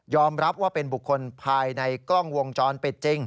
รับว่าเป็นบุคคลภายในกล้องวงจรปิดจริง